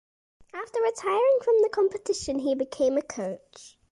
After retiring from competition he became a coach.